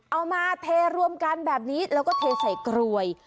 เอามาเทรวมกันแบบนี้แล้วก็เทใส่กรวย